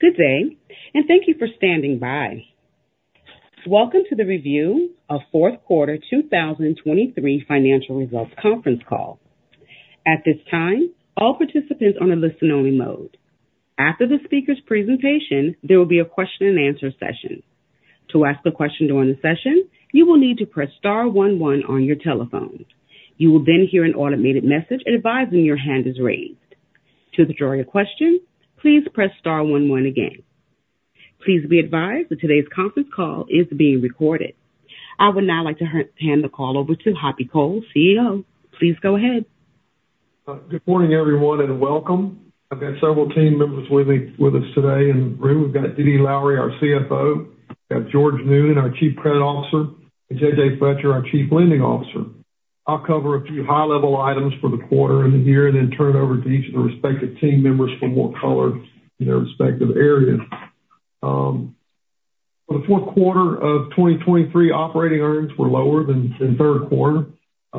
Good day, and thank you for standing by. Welcome to the review of Fourth Quarter 2023 Financial Results conference call. At this time, all participants are on a listen-only mode. After the speaker's presentation, there will be a question and answer session. To ask a question during the session, you will need to press star one one on your telephone. You will then hear an automated message advising your hand is raised. To withdraw your question, please press star one one again. Please be advised that today's conference call is being recorded. I would now like to hand the call over to Hoppy Cole, CEO. Please go ahead. Good morning, everyone, and welcome. I've got several team members with me- with us today. In the room, we've got Dee Dee Lowery, our CFO, got George Noonan, our Chief Credit Officer, and JJ Fletcher, our Chief Lending Officer. I'll cover a few high-level items for the quarter and the year, and then turn it over to each of the respective team members for more color in their respective areas. For the fourth quarter of 2023, operating earnings were lower than the third quarter.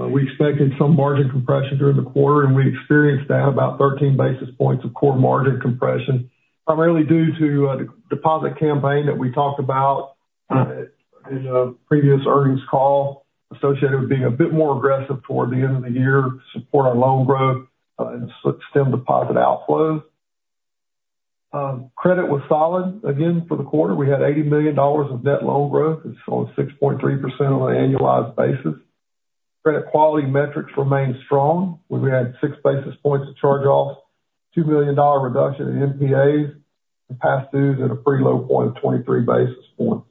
We expected some margin compression during the quarter, and we experienced that about 13 basis points of core margin compression, primarily due to deposit campaign that we talked about in a previous earnings call associated with being a bit more aggressive toward the end of the year to support our loan growth and stem deposit outflows. Credit was solid again for the quarter. We had $80 million of net loan growth. It's on 6.3% on an annualized basis. Credit quality metrics remained strong. We had six basis points to charge off, $2 million reduction in NPAs, and past dues at a pretty low point of 23 basis points.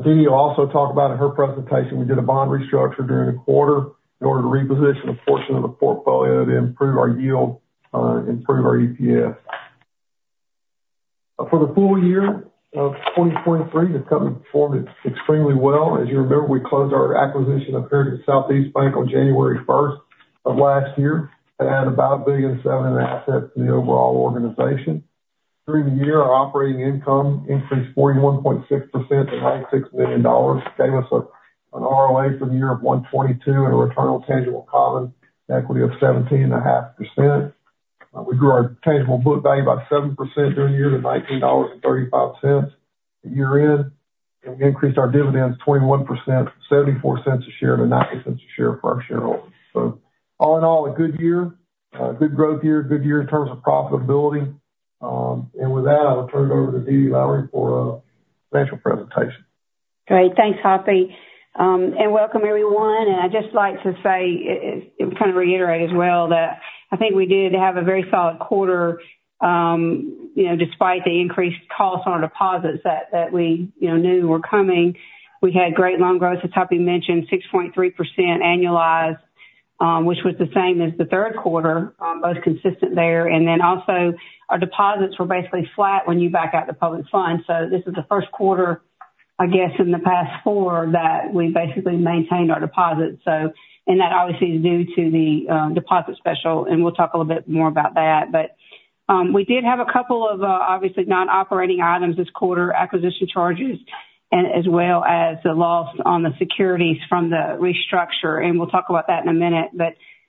Dee Dee will also talk about in her presentation, we did a bond restructure during the quarter in order to reposition a portion of the portfolio to improve our yield, improve our EPS. For the full-year of 2023, the company performed extremely well. As you remember, we closed our acquisition of Heritage Southeast Bank on January first of last year, and had about $1.7 billion in assets in the overall organization. During the year, our operating income increased 41.6% to $96 million, gave us an ROA for the year of 1.22 and a return on tangible common equity of 17.5%. We grew our tangible book value by 7% during the year to $19.35 year-end, and we increased our dividends 21%, $0.74 a share to $0.90 a share for our shareholders. So all in all, a good year, a good growth year, good year in terms of profitability. And with that, I will turn it over to Dee Dee Lowery for a financial presentation. Great. Thanks, Hoppy, and welcome, everyone. I'd just like to say, kind of reiterate as well, that I think we did have a very solid quarter, you know, despite the increased cost on our deposits that we, you know, knew were coming. We had great loan growth, as Hoppy mentioned, 6.3% annualized, which was the same as the third quarter, both consistent there. And then also our deposits were basically flat when you back out the public funds. So this is the first quarter in the past four, that we basically maintained our deposits. So and that obviously is due to the deposit special, and we'll talk a little bit more about that. We did have a couple of obviously non-operating items this quarter, acquisition charges, and as well as the loss on the securities from the restructure, and we'll talk about that in a minute.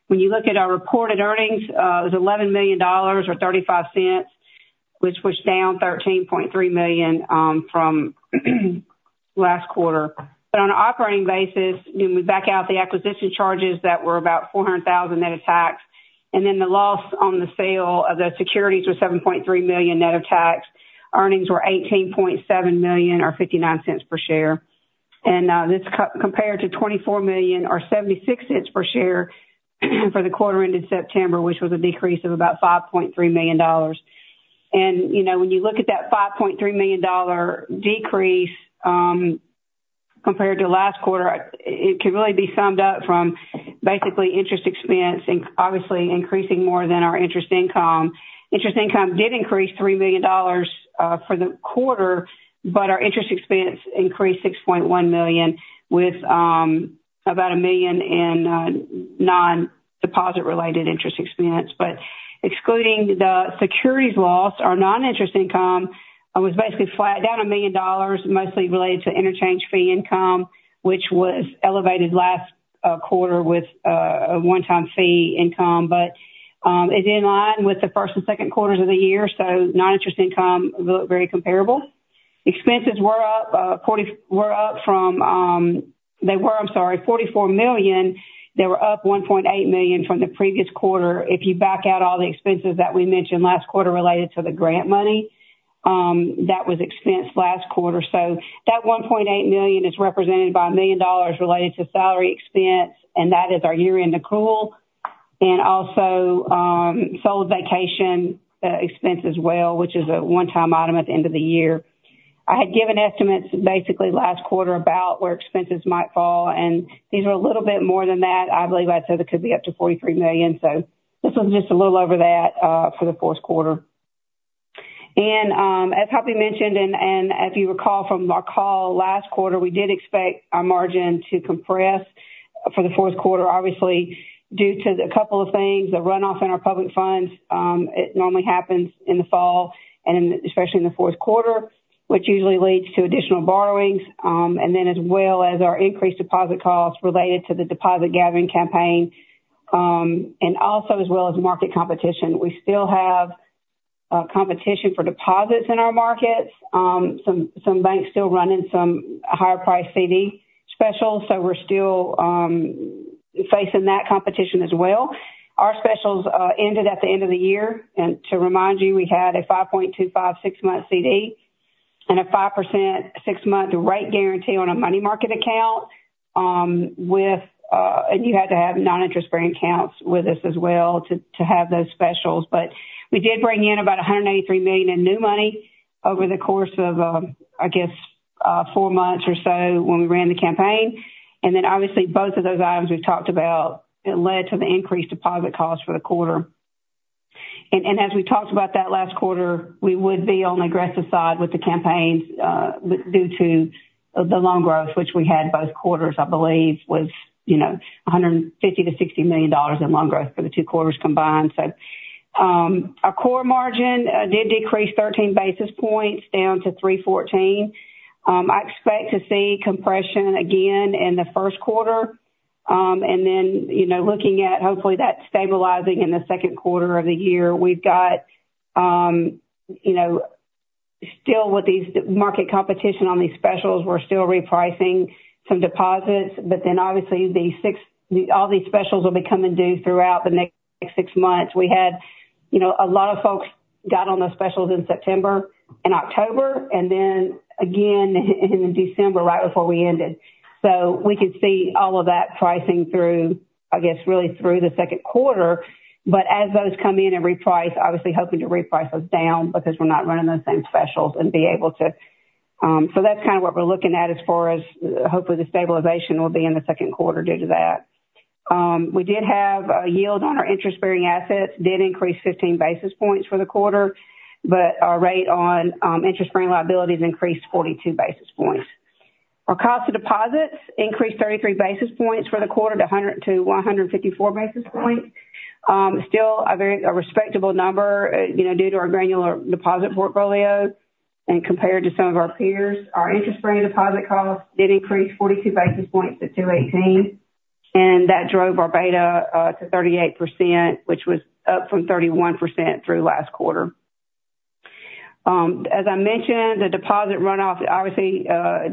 When you look at our reported earnings, it was $11 million or $0.35, which was down $13.3 million from last quarter. On an operating basis, when we back out the acquisition charges, that were about $400,000 net of tax, and then the loss on the sale of the securities was $7.3 million net of tax. Earnings were $18.7 million or $0.59 per share. This compared to $24 million or $0.76 per share for the quarter ended September, which was a decrease of about $5.3 million. And, you know, when you look at that $5.3 million decrease compared to last quarter, it can really be summed up from basically interest expense and obviously increasing more than our interest income. Interest income did increase $3 million for the quarter, but our interest expense increased $6.1 million with about a million in non-deposit related interest expense. But excluding the securities loss, our non-interest income was basically flat, down $1 million, mostly related to interchange fee income, which was elevated last quarter with a one-time fee income. But it's in line with the first and second quarters of the year, so non-interest income look very comparable. Expenses were up $44 million. They were up $1.8 million from the previous quarter. If you back out all the expenses that we mentioned last quarter related to the grant money, that was expensed last quarter. So that $1.8 million is represented by $1 million related to salary expense, and that is our year-end accrual, and also, sold vacation expense as well, which is a one-time item at the end of the year. I had given estimates basically last quarter about where expenses might fall, and these were a little bit more than that. I believe I said it could be up to $43 million, so this was just a little over that, for the fourth quarter. As Hoppy mentioned, and as you recall from our call last quarter, we did expect our margin to compress for the fourth quarter, obviously, due to a couple of things, the runoff in our public funds. It normally happens in the fall and especially in the fourth quarter, which usually leads to additional borrowings. And then as well as our increased deposit costs related to the deposit gathering campaign and also as well as market competition. We still have competition for deposits in our markets. Some banks still running some higher priced CD specials, so we're still facing that competition as well. Our specials ended at the end of the year, and to remind you, we had a 5.25 six-month CD and a 5% six-month rate guarantee on a money market account. With and you had to have non-interest-bearing accounts with us as well to have those specials. But we did bring in about $183 million in new money over the course of four months or so when we ran the campaign. And then obviously both of those items we talked about, it led to the increased deposit costs for the quarter. And as we talked about that last quarter, we would be on the aggressive side with the campaigns due to the loan growth, which we had both quarters, I believe, was, you know, $150 million to $160 million in loan growth for the two quarters combined. So, our core margin did decrease 13 basis points down to 3.14. I expect to see compression again in the first quarter. And then, you know, looking at hopefully that stabilizing in the second quarter of the year, we've got, you know, still with these market competition on these specials, we're still repricing some deposits. But then obviously all these specials will be coming due throughout the next six months. We had, you know, a lot of folks got on those specials in September and October, and then again in December, right before we ended. So we could see all of that pricing through, really through the second quarter. But as those come in and reprice, obviously hoping to reprice those down because we're not running those same specials and be able to. So that's kind of what we're looking at as far as hopefully the stabilization will be in the second quarter due to that. We did have a yield on our interest-bearing assets did increase 15 basis points for the quarter, but our rate on interest-bearing liabilities increased 42 basis points. Our cost of deposits increased 33 basis points for the quarter, 100 to 154 basis points. Still a very respectable number, you know, due to our granular deposit portfolio and compared to some of our peers. Our interest-bearing deposit costs did increase 42 basis points to 218, and that drove our beta to 38%, which was up from 31% through last quarter. As I mentioned, the deposit runoff obviously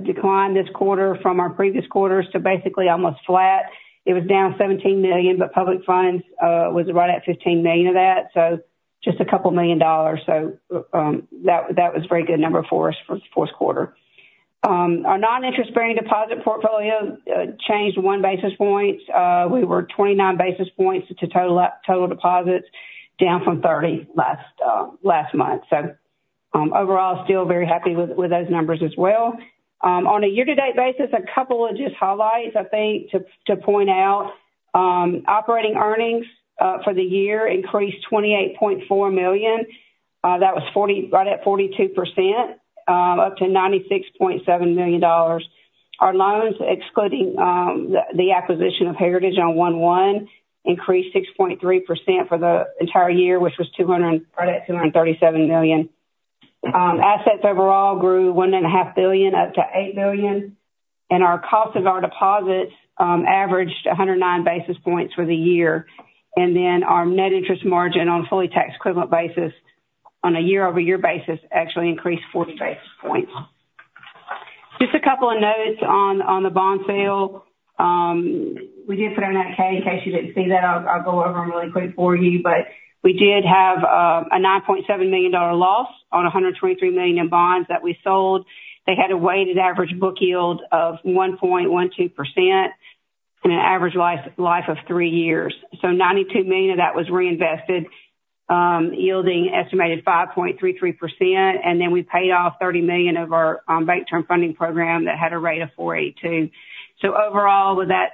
declined this quarter from our previous quarters to basically almost flat. It was down $17 million, but public funds was right at $15 million of that, so just a couple million dollars. So, that was a very good number for us for the fourth quarter. Our non-interest-bearing deposit portfolio changed one basis point. We were 29 basis points to total deposits, down from 30 last month. So, overall, still very happy with those numbers as well. On a year-to-date basis, a couple of just highlights, I think, to point out. Operating earnings for the year increased $28.4 million. That was right at 42%, up to $96.7 million. Our loans, excluding the acquisition of Heritage on 1/1, increased 6.3% for the entire year, which was right at $237 million. Assets overall grew $1.5 billion, up to $8 billion, and our cost of our deposits averaged 109 basis points for the year. And then our net interest margin on a fully tax-equivalent basis on a year-over-year basis actually increased 40 basis points. Just a couple of notes on the bond sale. We did put on that 8-K. In case you didn't see that, I'll go over them really quick for you. But we did have a $9.7 million loss on $123 million in bonds that we sold. They had a weighted average book yield of 1.12% and an average life of three years. So $92 million of that was reinvested, yielding an estimated 5.33%, and then we paid off $30 million of our Bank Term Funding Program that had a rate of 4.82%. So overall, with that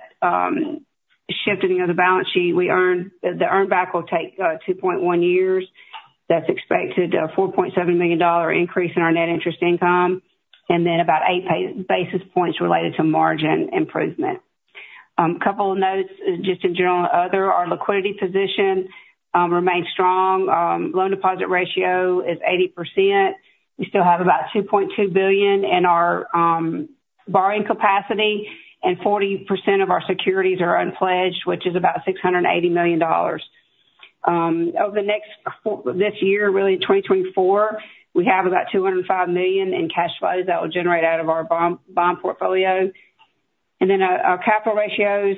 shifting of the balance sheet, we earned—the earn back will take 2.1 years. That's expected a $4.7 million dollar increase in our net interest income, and then about 8 basis points related to margin improvement. A couple of notes just in general and other, our liquidity position remains strong. Loan deposit ratio is 80%. We still have about $2.2 billion in our borrowing capacity, and 40% of our securities are unpledged, which is about $680 million. Over the next quarter this year, really in 2024, we have about $205 million in cash flows that will generate out of our bond portfolio. And then, our capital ratios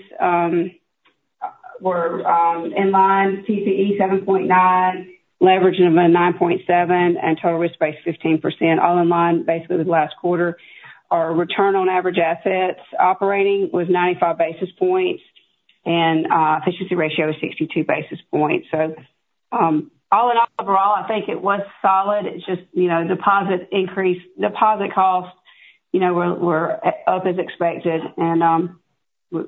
were in line, TCE 7.9, leverage of a 9.7, and total risk-based 15%, all in line, basically with last quarter. Our return on average assets operating was 95 basis points, and efficiency ratio was 62 basis points. So, all in all, overall, I think it was solid. It's just, you know, deposit increase, deposit costs, you know, were up as expected, and we're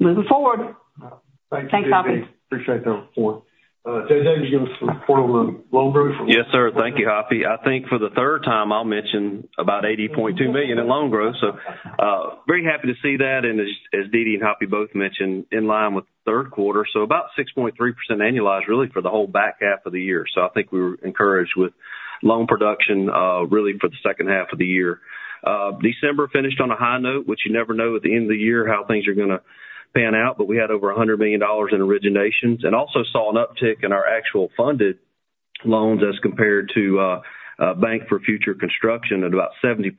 moving forward. Thank you, Dee Dee. Thanks, Hoppy. Appreciate the report. JJ, can you give us a report on the loan growth? Yes, sir. Thank you, Hoppy. I think for the third time, I'll mention about $80.2 million in loan growth. So, very happy to see that, and as Dee Dee and Hoppy both mentioned, in line with the third quarter, so about 6.3% annualized really for the whole back half of the year. So I think we were encouraged with loan production, really for the second half of the year. December finished on a high note, which you never know at the end of the year how things are going to pan out, but we had over $100 million in originations, and also saw an uptick in our actual funded loans as compared to a bank for future construction, at about 70%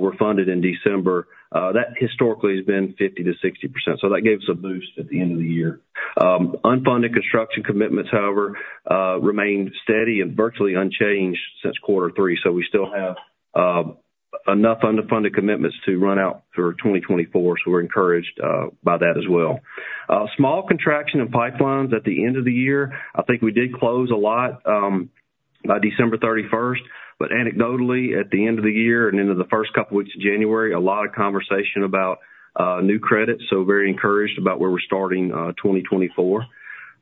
were funded in December. That historically has been 50% to 60%, so that gave us a boost at the end of the year. Unfunded construction commitments, however, remained steady and virtually unchanged since quarter three. So we still have enough underfunded commitments to run out through 2024, so we're encouraged by that as well. Small contraction in pipelines at the end of the year. I think we did close a lot by December 31st, but anecdotally, at the end of the year and into the first couple weeks of January, a lot of conversation about new credit, so very encouraged about where we're starting 2024.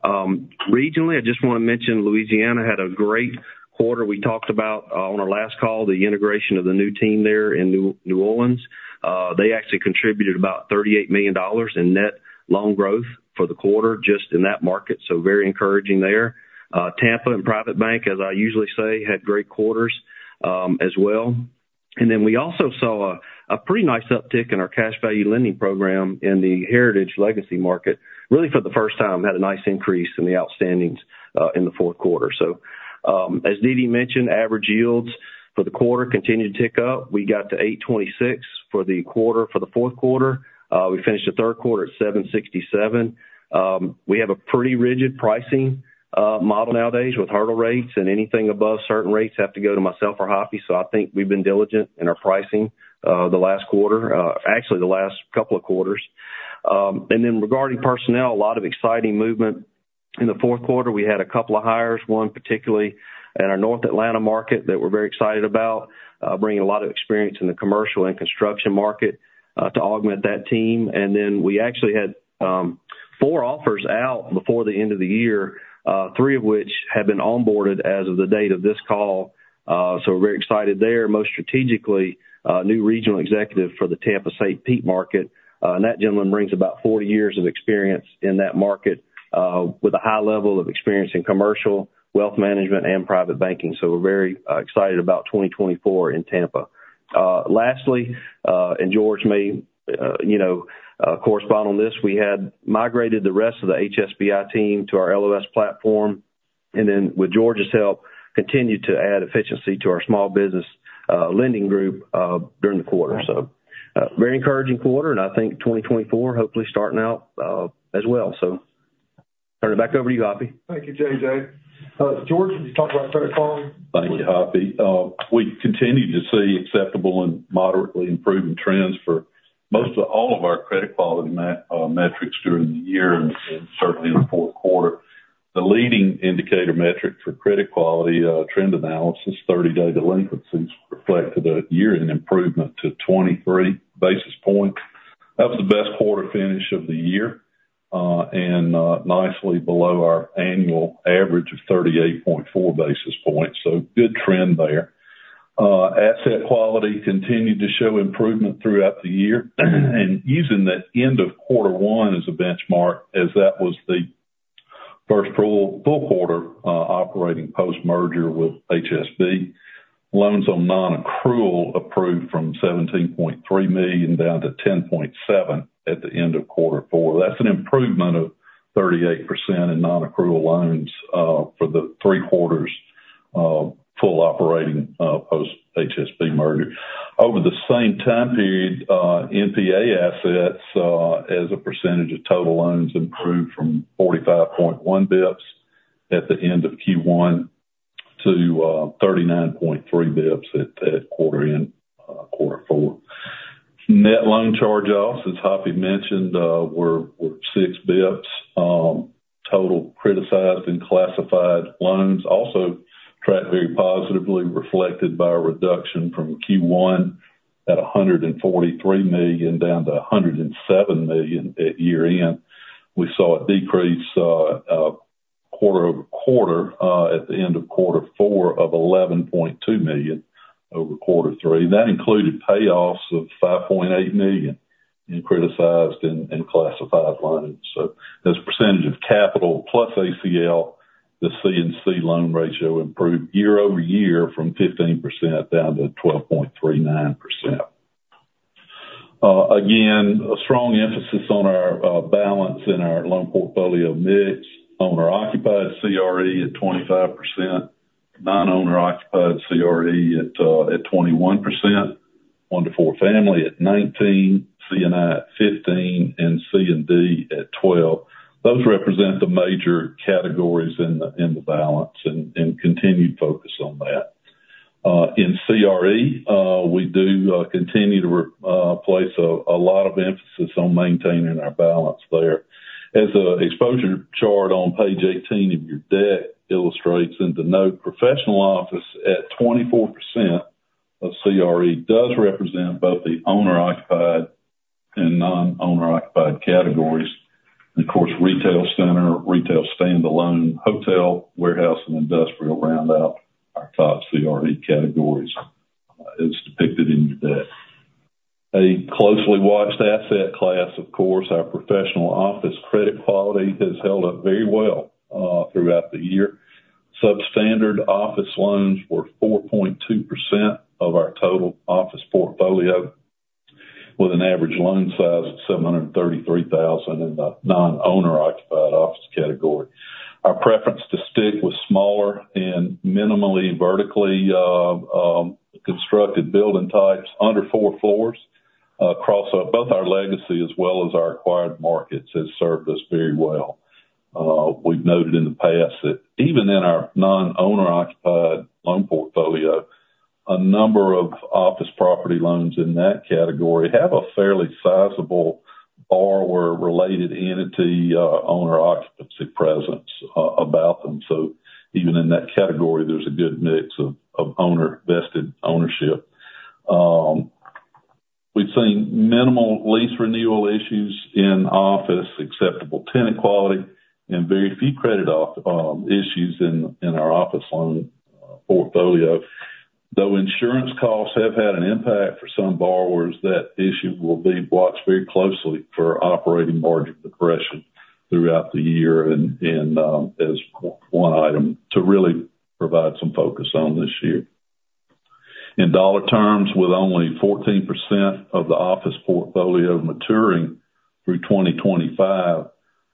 Regionally, I just want to mention, Louisiana had a great quarter. We talked about on our last call, the integration of the new team there in New Orleans. They actually contributed about $38 million in net loan growth for the quarter, just in that market, so very encouraging there. Tampa and Private Bank, as I usually say, had great quarters, as well. And then we also saw a pretty nice uptick in our cash value lending program in the Heritage Legacy market. Really, for the first time, we had a nice increase in the outstanding's, in the fourth quarter. So, as Dede mentioned, average yields for the quarter continued to tick up. We got to 8.26 for the quarter, for the fourth quarter. We finished the third quarter at 7.67. We have a pretty rigid pricing model nowadays with hurdle rates, and anything above certain rates have to go to myself or Hoppy. So I think we've been diligent in our pricing, the last quarter, actually the last couple of quarters. And then regarding personnel, a lot of exciting movement. In the fourth quarter, we had a couple of hires, one particularly in our North Atlanta market, that we're very excited about, bringing a lot of experience in the commercial and construction market, to augment that team. And then we actually had four offers out before the end of the year, three of which have been onboarded as of the date of this call, so we're very excited there. Most strategically, new regional executive for the Tampa St. Pete market, and that gentleman brings about 40 years of experience in that market, with a high level of experience in commercial, wealth management, and private banking. So we're very excited about 2024 in Tampa. Lastly, and George may, you know, correspond on this, we had migrated the rest of the HSBI team to our LOS platform, and then with George's help, continued to add efficiency to our small business lending group during the quarter. So, very encouraging quarter, and I think 2024, hopefully starting out, as well. So turn it back over to you, Hoppy. Thank you, JJ. George, could you talk about credit quality? Thank you, Hoppy. We continued to see acceptable and moderately improving trends for most of all of our credit quality metrics during the year, and certainly in the fourth quarter. The leading indicator metric for credit quality trend analysis, 30-day delinquencies, reflected a year-end improvement to 23 basis points. That was the best quarter finish of the year and nicely below our annual average of 38.4 basis points, so good trend there. Asset quality continued to show improvement throughout the year, and using the end of quarter one as a benchmark, as that was the first full quarter operating post-merger with HSB. Loans on nonaccrual improved from $17.3 million down to $10.7 million at the end of quarter four. That's an improvement of 38% in nonaccrual loans for the three quarters full operating post HSB merger. Over the same time period, NPA assets as a percentage of total loans improved from 45.1 basis points at the end of Q1 to 39.3 basis points at quarter end quarter four. Net loan charge-offs, as Hoppy mentioned, were six basis points. Total criticized and classified loans also tracked very positively, reflected by a reduction from Q1 at $143 million down to $107 million at year-end. We saw a decrease quarter-over-quarter at the end of quarter four of $11.2 million over quarter three. That included payoffs of $5.8 million in criticized and classified loans. So as a percentage of capital plus ACL, the C&C loan ratio improved year-over-year from 15% down to 12.39%. Again, a strong emphasis on our balance in our loan portfolio mix, owner-occupied CRE at 25%, non-owner occupied CRE at 21%, one to four family at 19, C&I at 15, and C&D at 12. Those represent the major categories in the balance and continued focus on that. In CRE, we do continue to place a lot of emphasis on maintaining our balance there. As the exposure chart on page 18 of your deck illustrates, and to note, professional office at 24% of CRE does represent both the owner-occupied and non-owner-occupied categories. Of course, retail center, retail standalone, hotel, warehouse, and industrial round out our top CRE categories, as depicted in your deck. A closely watched asset class, of course, our professional office credit quality has held up very well throughout the year. Substandard office loans were 4.2% of our total office portfolio, with an average loan size of $733,000 in the non-owner occupied office category. Our preference to stick with smaller and minimally vertically constructed building types under four floors across both our legacy as well as our acquired markets, has served us very well. We've noted in the past that even in our non-owner occupied loan portfolio, a number of office property loans in that category have a fairly sizable borrower-related entity, owner occupancy presence about them. So even in that category, there's a good mix of owner-vested ownership. We've seen minimal lease renewal issues in office, acceptable tenant quality, and very few credit off issues in our office loan portfolio. Though insurance costs have had an impact for some borrowers, that issue will be watched very closely for operating margin depression throughout the year as one item to really provide some focus on this year. In dollar terms, with only 14% of the office portfolio maturing through 2025,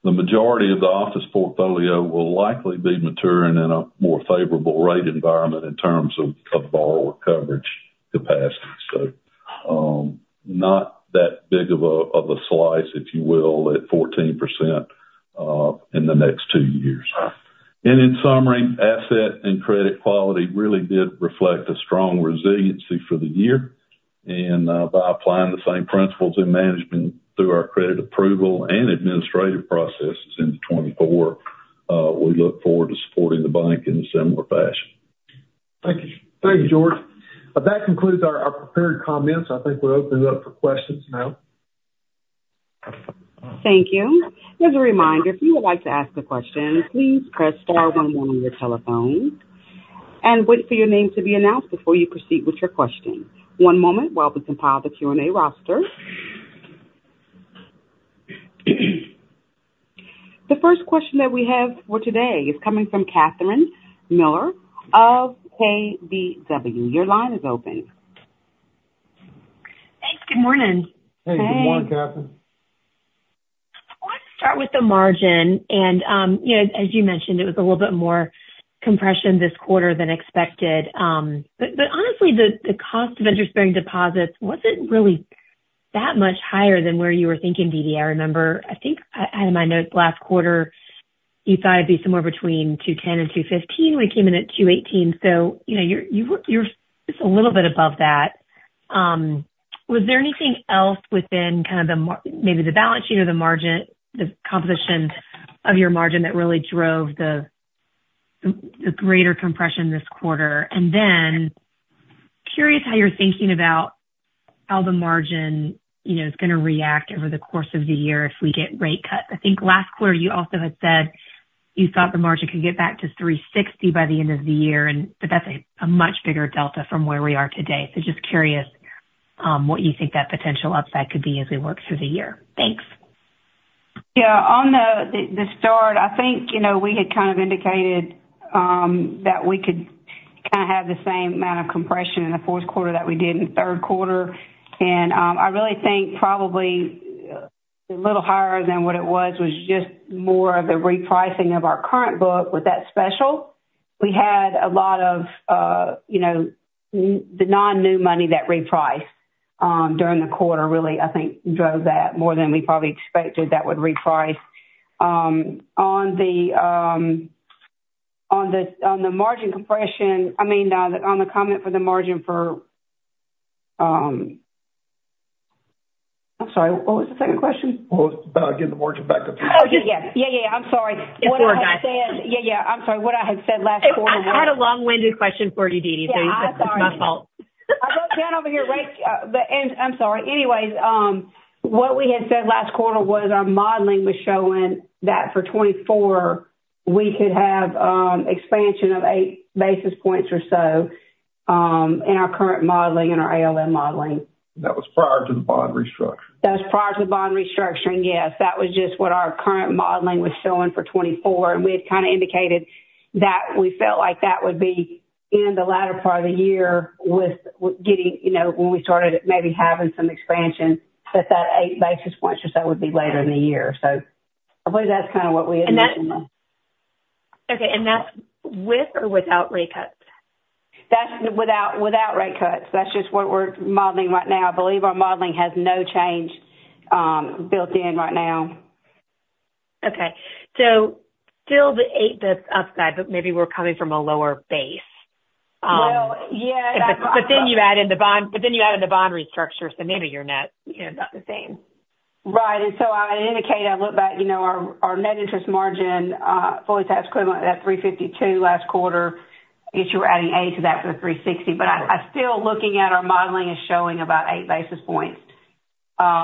the majority of the office portfolio will likely be maturing in a more favorable rate environment in terms of borrower coverage capacity. So, not that big of a slice, if you will, at 14% in the next two years. In summary, asset and credit quality really did reflect a strong resiliency for the year. By applying the same principles in management through our credit approval and administrative processes into 2024, we look forward to supporting the bank in a similar fashion. Thank you. Thank you, George. That concludes our prepared comments. I think we'll open it up for questions now. Thank you. As a reminder, if you would like to ask a question, please press star one one on your telephone and wait for your name to be announced before you proceed with your question. One moment while we compile the Q&A roster. The first question that we have for today is coming from Catherine Mealor of KBW. Your line is open. Thanks. Good morning. Hey, good morning, Catherine. I want to start with the margin. As you mentioned, it was a little bit more compression this quarter than expected. But honestly, the cost of interest bearing deposits wasn't really that much higher than where you were thinking, Dee Dee. I remember, I think out of my notes last quarter, you thought it'd be somewhere between 2.10 and 2.15. We came in at 2.18, so you know, you're just a little bit above that. Was there anything else within kind of the maybe the balance sheet or the margin, the composition of your margin, that really drove the greater compression this quarter? And then, curious how you're thinking about how the margin, you know, is going to react over the course of the year if we get rate cuts. I think last quarter you also had said you thought the margin could get back to 3.60 by the end of the year, but that's a much bigger delta from where we are today. So just curious, what you think that potential upside could be as we work through the year. Thanks. Yeah, on the start, I think, you know, we had kind of indicated that we could kind of have the same amount of compression in the fourth quarter that we did in the third quarter. And, I really think probably a little higher than what it was, was just more of a repricing of our current book with that special. We had a lot of, you know, the non-new money that repriced during the quarter, really, I think drove that more than we probably expected that would reprice. On the margin compression, I mean, on the comment for the margin for, I'm sorry, what was the second question? Well, it's about getting the margin back up. Oh, yeah. Yeah, yeah. I'm sorry. It's all right. Yeah, yeah, I'm sorry. What I had said last quarter. I had a long-winded question for you, Dee Dee. Yeah, I'm sorry. So it's my fault. I wrote down over here, right and I'm sorry. Anyways, what we had said last quarter was our modeling was showing that for 2024, we could have expansion of 8 basis points or so, in our current modeling and our ALM modeling. That was prior to the bond restructure. That was prior to the bond restructuring, yes. That was just what our current modeling was showing for 2024, and we had kind of indicated that we felt like that would be in the latter part of the year with getting, you know, when we started maybe having some expansion, but that 8 basis points or so would be later in the year. So I believe that's kind of what we had in mind. Okay, and that's with or without rate cuts? That's without rate cuts. That's just what we're modeling right now. I believe our modeling has no change built in right now. Okay. So still the 8, that's upside, but maybe we're coming from a lower base. Well, yeah. But then you add in the bond, but then you add in the bond restructure, so maybe your net is about the same. Right. And so I indicated, I look back, you know, our net interest margin, fully tax equivalent at 352 last quarter, if you were adding 8 to that for the 360. But I still looking at our modeling is showing about 8 basis points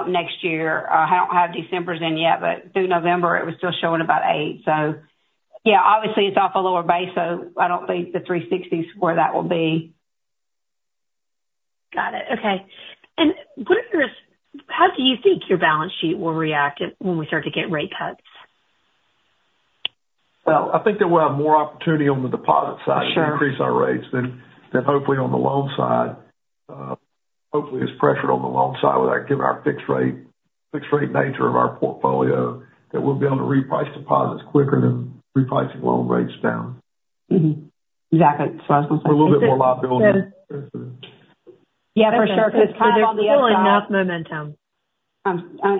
next year. I don't have Decembers in yet, but through November, it was still showing about 8. So yeah, obviously, it's off a lower base, so I don't think the 360 is where that will be. Got it. Okay. And how do you think your balance sheet will react when we start to get rate cuts? Well, I think that we'll have more opportunity on the deposit side- Sure. to increase our rates than hopefully on the loan side. Hopefully, there's pressure on the loan side, with that, given our fixed rate, fixed rate nature of our portfolio, that we'll be able to reprice deposits quicker than repricing loan rates down. Exactly. So I was going to say. A little bit more liability. Yeah, for sure, because still enough momentum.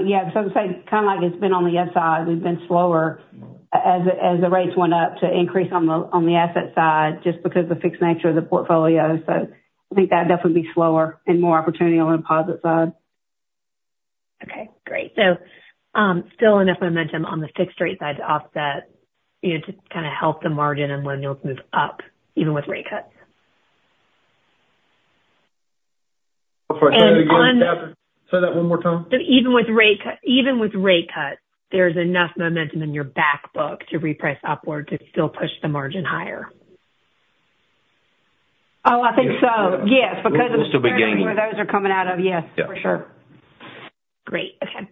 Yeah, so I'd say kind of like it's been on the asset side, we've been slower as the rates went up, to increase on the asset side, just because the fixed nature of the portfolio. So I think that would definitely be slower and more opportunity on the deposit side. Okay, great. So, still enough momentum on the fixed rate side to offset, you know, to kind of help the margin and loan yields move up, even with rate cuts. Say that one more time. Even with rate cuts, even with rate cuts, there's enough momentum in your back book to reprice upwards to still push the margin higher. Oh, I think so. Yes, because of where those are coming out of, yes, for sure. We're still beginning. Great. Okay.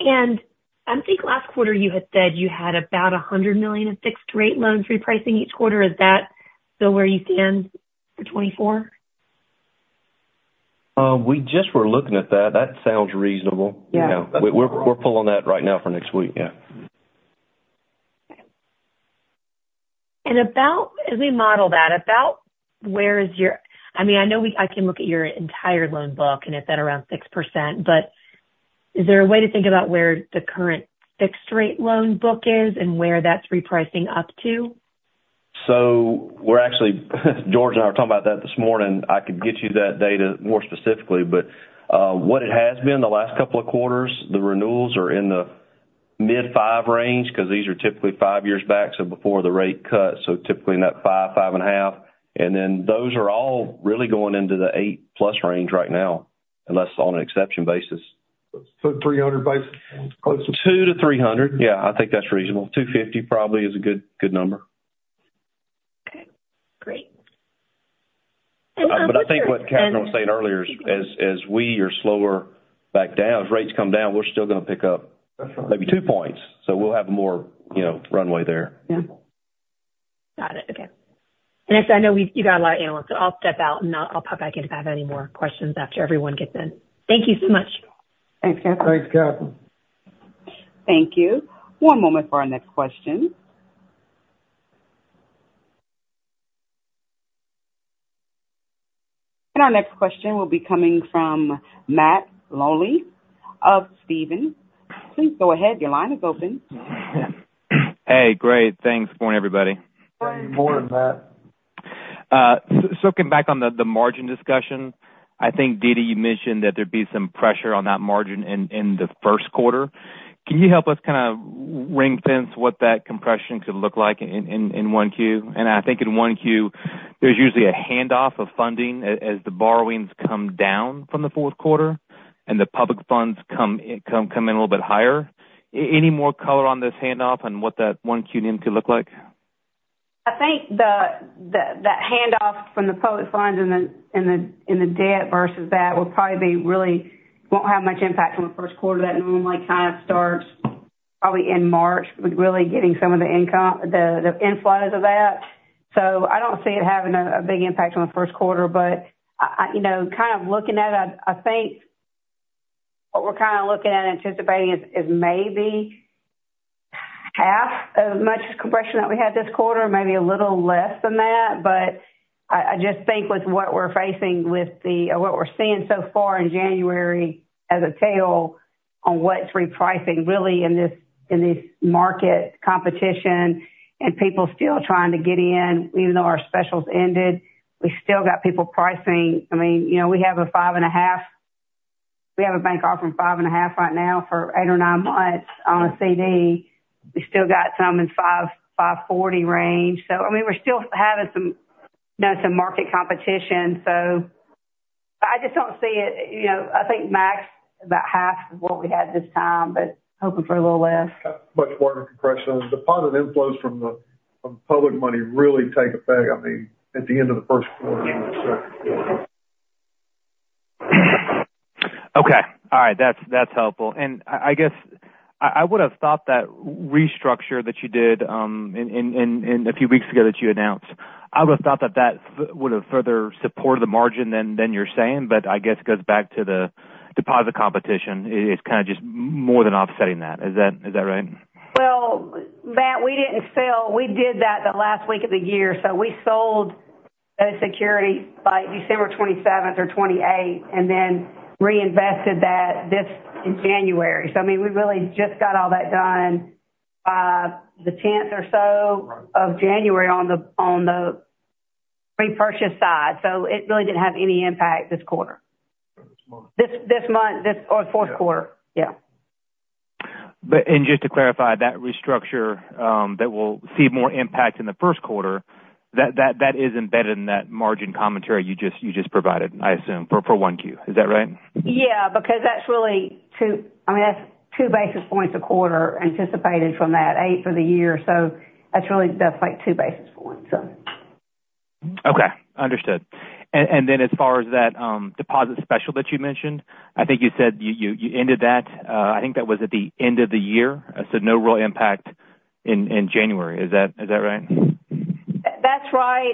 And I think last quarter, you had said you had about $100 million of fixed-rate loans repricing each quarter. Is that still where you stand for 2024? We just were looking at that. That sounds reasonable. Yeah. We're pulling that right now for next week. Yeah. As we model that, about where is your, I mean, I know I can look at your entire loan book, and it's at around 6%, but is there a way to think about where the current fixed rate loan book is and where that's repricing up to? We're actually, George and I were talking about that this morning. I could get you that data more specifically, but what it has been the last couple of quarters, the renewals are in the mid-5 range, because these are typically 5 years back, so before the rate cut, so typically in that 5, 5.5. And then those are all really going into the 8+ range right now, unless on an exception basis. 300 basis points. 200 to 300. Yeah, I think that's reasonable. 250 probably is a good, good number. Okay, great. But I think what Catherine was saying earlier is, as we are slower back down, as rates come down, we're still going to pick up maybe two points, so we'll have more, you know, runway there. Yeah. Got it. Okay. And I know you got a lot of analysts, so I'll step out and I'll pop back in if I have any more questions after everyone gets in. Thank you so much. Thanks, Catherine. Thanks, Catherine. Thank you. One moment for our next question. Our next question will be coming from Matt Olney of Stephens. Please go ahead. Your line is open. Hey, great. Thanks. Good morning, everybody. Good morning, Matt. So coming back on the margin discussion, I think, Dee Dee, you mentioned that there'd be some pressure on that margin in the first quarter. Can you help us kind of ring-fence what that compression could look like in 1Q? And I think in 1Q, there's usually a handoff of funding as the borrowings come down from the fourth quarter, and the public funds come in a little bit higher. Any more color on this handoff and what that 1Q number could look like? I think that handoff from the public funds in the debt versus that will probably be really won't have much impact on the first quarter. That normally kind of starts probably in March, with really getting some of the income, the inflows of that. So I don't see it having a big impact on the first quarter, but, you know, kind of looking at it, I think what we're kind of looking at anticipating is maybe half as much compression that we had this quarter, maybe a little less than that. But I just think with what we're facing with the or what we're seeing so far in January as a tail on what's repricing really in this, in this market competition, and people still trying to get in, even though our specials ended, we've still got people pricing. I mean, you know, we have a 5.5, we have a bank offering 5.5 right now for eight or nine months on a CD. We've still got some in 5, 5.40 range. So I mean, we're still having some, you know, some market competition. So I just don't see it, you know, I think max about half of what we had this time, but hoping for a little less. Much more compression. Deposit inflows from the public money really take effect, I mean, at the end of the first quarter. Okay. All right. That's helpful. And I would have thought that restructure that you did in a few weeks ago that you announced would have further supported the margin than you're saying, but it goes back to the deposit competition. It's kind of just more than offsetting that. Is that right? Well, Matt, we didn't sell. We did that the last week of the year, so we sold those securities by December 27th or 28th, and then reinvested that this January. So I mean, we really just got all that done by the 10th or so of January on the repurchase side, so it really didn't have any impact this quarter. This month. This month or fourth quarter. Yeah. But just to clarify, that restructure that will see more impact in the first quarter, that is embedded in that margin commentary you just provided, I assume, for 1Q. Is that right? Yeah, because that's really two, I mean, that's 2 basis points a quarter anticipated from that, 8 for the year. So that's really, that's like 2 basis points, so. Okay, understood. And then as far as that deposit special that you mentioned, I think you said you ended that. I think that was at the end of the year. So no real impact in January. Is that right? That's right.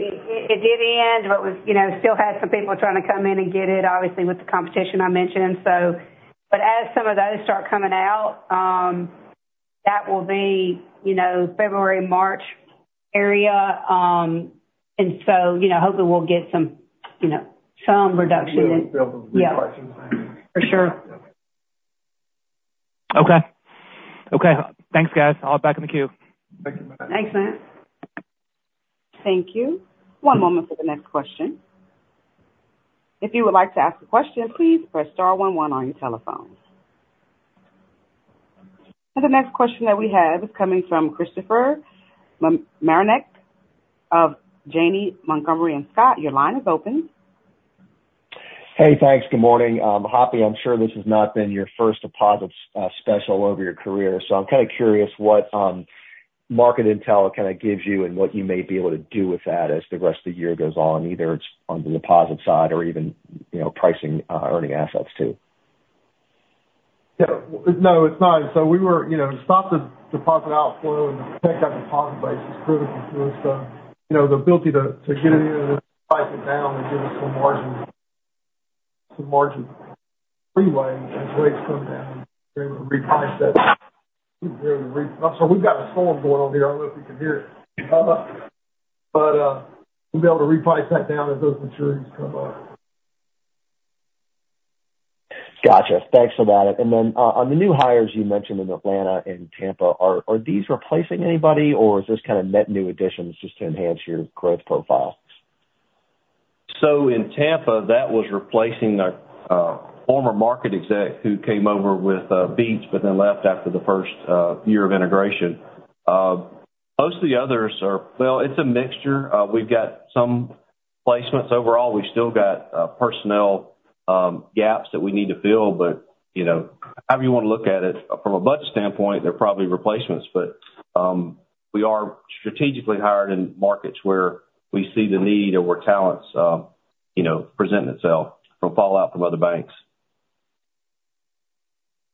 It did end, but we, you know, still had some people trying to come in and get it, obviously, with the competition I mentioned. So, but as some of those start coming out, that will be, you know, February, March area. And so, you know, hopefully we'll get some, you know, some reduction in. Yeah. For sure. Okay. Okay, thanks, guys. I'll hop back in the queue. Thank you. Thanks, Matt. Thank you. One moment for the next question. If you would like to ask a question, please press star one one on your telephone. The next question that we have is coming from Christopher Marinac of Janney Montgomery Scott, your line is open. Hey, thanks. Good morning. Hoppy, I'm sure this has not been your first deposit special over your career, so I'm kind of curious what market intel kind of gives you and what you may be able to do with that as the rest of the year goes on, either it's on the deposit side or even, you know, pricing, earning assets, too. Yeah. No, it's not. So we were, you know, to stop the deposit outflow and protect our deposit base is critical to us. So, you know, the ability to, to get it in and price it down and give us some margin, some margin freeway as rates come down, be able to reprice that. So we've got a storm going on here. I don't know if you can hear it. But, we'll be able to reprice that down as those maturities come up. Got you. Thanks for that. And then, on the new hires you mentioned in Atlanta and Tampa, are these replacing anybody, or is this kind of net new additions just to enhance your growth profile? So in Tampa, that was replacing our former market exec who came over with BFST, but then left after the first year of integration. Most of the others are. Well, it's a mixture. We've got some placements. Overall, we've still got personnel gaps that we need to fill, but, you know, however you want to look at it from a budget standpoint, they're probably replacements. But we are strategically hired in markets where we see the need or where talents, you know, presenting itself from fallout from other banks.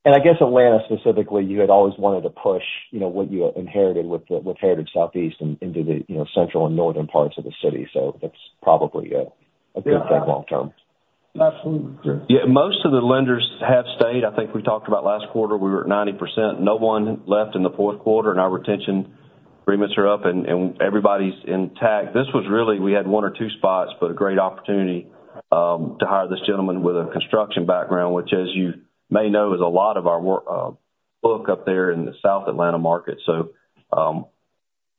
Atlanta specifically, you had always wanted to push, you know, what you inherited with Heritage Southeast into the, you know, central and northern parts of the city. That's probably a good thing long term. Absolutely, Chris. Yeah. Most of the lenders have stayed. I think we talked about last quarter, we were at 90%. No one left in the fourth quarter, and our retention agreements are up and, and everybody's intact. This was really, we had one or two spots, but a great opportunity, to hire this gentleman with a construction background, which, as you may know, is a lot of our work, book up there in the South Atlanta market. So,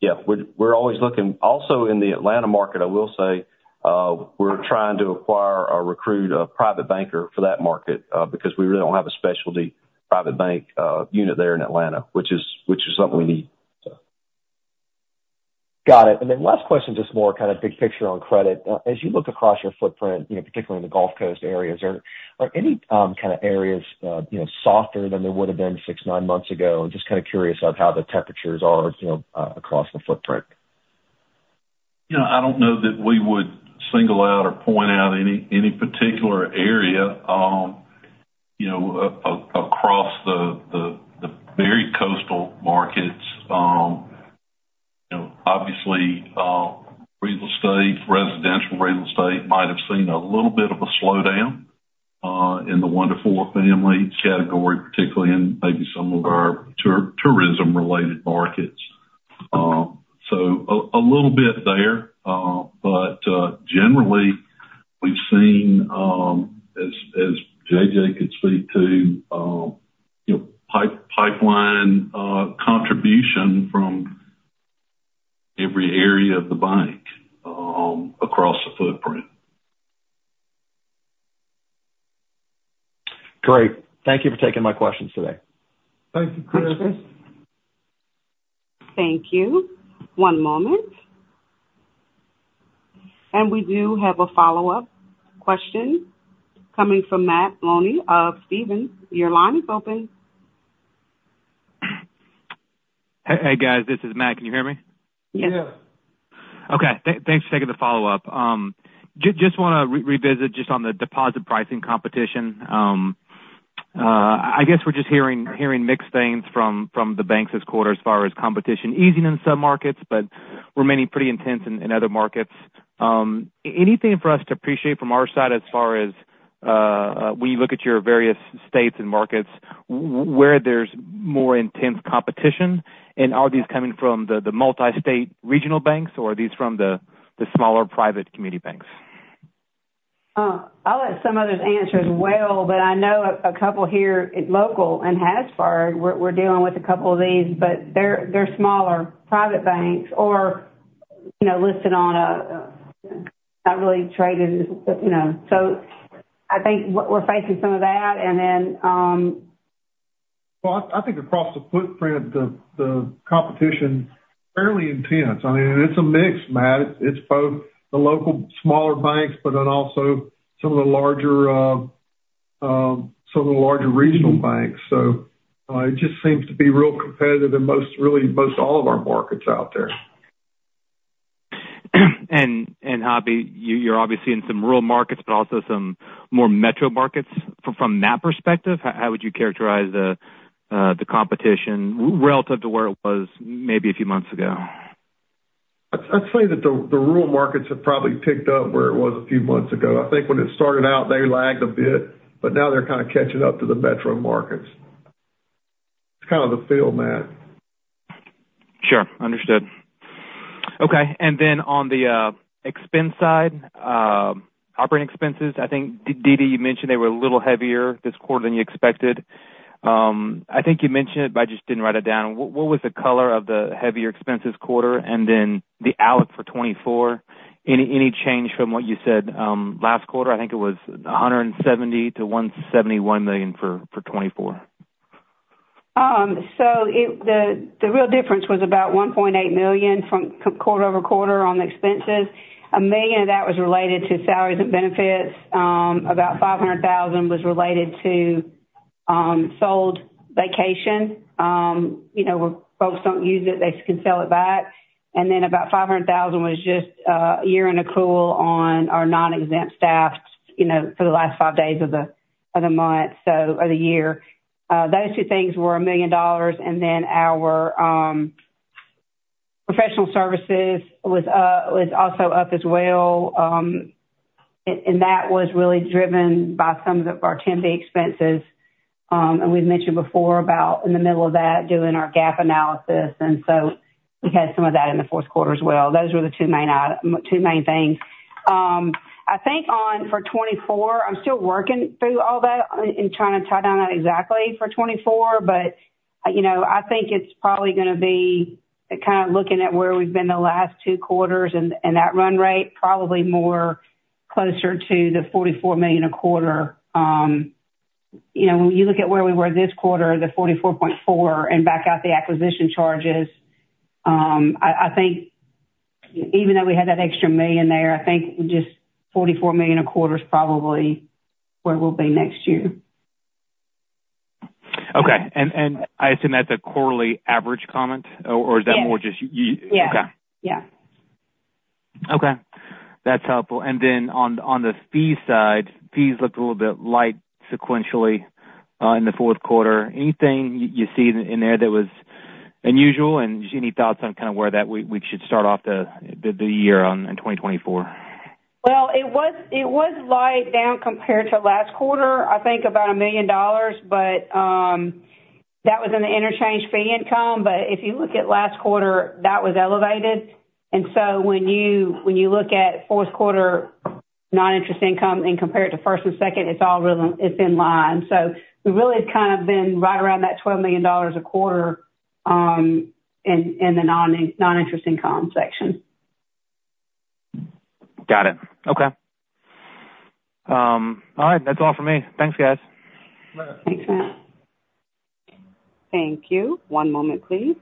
yeah, we're, we're always looking. Also in the Atlanta market, I will say, we were trying to acquire or recruit a private banker for that market, because we really don't have a specialty private bank, unit there in Atlanta, which is, which is something we need, so. Got it. And then last question, just more kind of big picture on credit. As you look across your footprint, you know, particularly in the Gulf Coast areas, are any kind of areas, you know, softer than they would have been six, nine months ago? Just kind of curious of how the temperatures are, you know, across the footprint. You know, I don't know that we would single out or point out any particular area, you know, across the very coastal markets. You know, obviously, real estate, residential real estate, might have seen a little bit of a slowdown in the 1 to 4 family category, particularly in maybe some of our tourism related markets. So a little bit there, but generally, we've seen, as J.J. could speak to, you know, pipeline contribution from every area of the bank across the footprint. Great. Thank you for taking my questions today. Thank you, Chris. Thank you. One moment. We do have a follow-up question coming from Matt Olney of Stephens. Your line is open. Hey, guys, this is Matt. Can you hear me? Yes. Okay, thanks for taking the follow-up. Just want to revisit just on the deposit pricing competition. I guess we're just hearing mixed things from the banks this quarter as far as competition easing in some markets, but remaining pretty intense in other markets. Anything for us to appreciate from our side as far as when you look at your various states and markets, where there's more intense competition? And are these coming from the multi-state regional banks, or are these from the smaller private community banks? I'll let some others answer as well, but I know a couple here, local in Hattiesburg, we're dealing with a couple of these, but they're smaller private banks or, you know, listed on a not really traded, you know. So I think what we're facing some of that, and then, Well, I think across the footprint, the competition fairly intense. I mean, it's a mix, Matt. It's both the local smaller banks, but then also some of the larger regional banks. So, it just seems to be real competitive in most really, most all of our markets out there. Hoppy, you're obviously in some rural markets, but also some more metro markets. From that perspective, how would you characterize the competition relative to where it was maybe a few months ago? I'd say that the rural markets have probably picked up where it was a few months ago. I think when it started out, they lagged a bit, but now they're kind of catching up to the metro markets. It's kind of the feel, Matt. Sure. Understood. Okay, and then on the expense side, operating expenses, I think, Dee Dee, you mentioned they were a little heavier this quarter than you expected. I think you mentioned it, but I just didn't write it down. What was the color of the heavier expenses quarter and then the outlook for 2024? Any change from what you said last quarter? I think it was $170 million to $171 million for 2024. So the real difference was about $1.8 million from quarter-over-quarter on the expenses. $1 million of that was related to salaries and benefits. About $500,000 was related to sold vacation. You know, when folks don't use it, they can sell it back. Then about $500,000 was just year-end accrual on our non-exempt staff, you know, for the last five days of the month, so of the year. Those two things were $1 million, and then our professional services was also up as well. And that was really driven by some of the branding expenses. And we've mentioned before about in the middle of that, doing our gap analysis, and so we had some of that in the fourth quarter as well. Those were the two main things. I think, for 2024, I'm still working through all that and trying to tie down that exactly for 2024, but, you know, I think it's probably going to be kind of looking at where we've been the last two quarters and that run rate, probably more closer to the $44 million a quarter. You know, when you look at where we were this quarter, the $44.4 million, and back out the acquisition charges, I think even though we had that extra $1 million there, I think just $44 million a quarter is probably where we'll be next year. Okay. And I assume that's a quarterly average comment, or is that more just? Yes. Okay. Yeah. Okay. That's helpful. And then on the fee side, fees looked a little bit light sequentially in the fourth quarter. Anything you see in there that was unusual, and any thoughts on kind of where we should start off the year on in 2024? Well, it was light down compared to last quarter, I think about $1 million, but that was in the interchange fee income. But if you look at last quarter, that was elevated. And so when you look at fourth quarter non-interest income and compare it to first and second, it's all really in line. So we really have kind of been right around that $12 million a quarter in the non-interest income section. Got it. Okay. All right. That's all for me. Thanks, guys. Bye. Thanks, Matt. Thank you. One moment, please.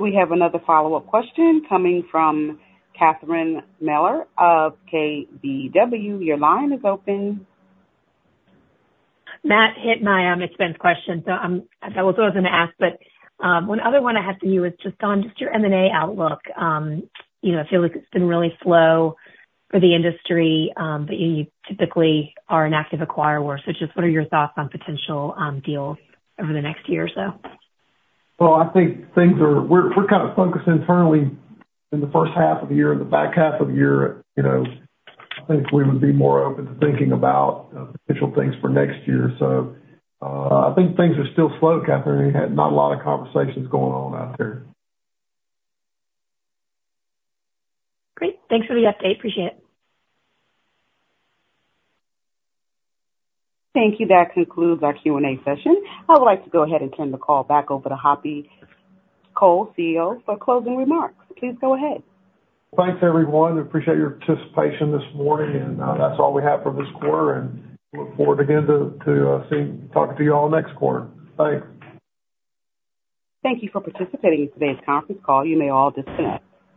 We have another follow-up question coming from Catherine Mealor of KBW. Your line is open. Matt hit my expense question, so that was what I was going to ask. But one other one I have to you is just on your M&A outlook. You know, I feel like it's been really slow for the industry, but you typically are an active acquirer. So just what are your thoughts on potential deals over the next year or so? Well, I think things are, we're kind of focused internally in the first half of the year. In the back half of the year, you know, I think we would be more open to thinking about potential things for next year. So, I think things are still slow, Catherine. We had not a lot of conversations going on out there. Great. Thanks for the update. Appreciate it. Thank you. That concludes our Q&A session. I would like to go ahead and turn the call back over to Hoppy Cole, CEO, for closing remarks. Please go ahead. Thanks, everyone. Appreciate your participation this morning, and, that's all we have for this quarter, and look forward again to talking to you all next quarter. Thanks. Thank you for participating in today's conference call. You may all disconnect.